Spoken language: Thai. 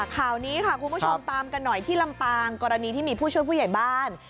ข่าวนี้ค่ะคุณผู้ชมตามกันหน่อยที่ลำปางกรณีที่มีผู้ช่วยผู้ใหญ่บ้าน